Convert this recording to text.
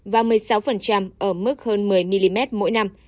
và một mươi sáu ở mức hơn một mươi mm mỗi năm